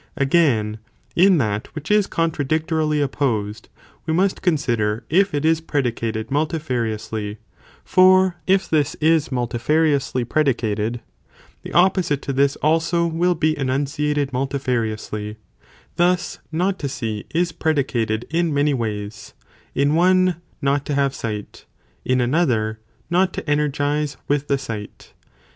Again, in that which is contradictorily opposed, 6. Also ifin the Α ΜΡ . "ps contradictory, We must consider if it is predicated multifariously, tnedication for if this is multifariously predicated, the oppo site to this also will be enunciated multifariously ; thus, not to see, is predicated in many ways; in one, not to have sight; in another, not to energize with the sight.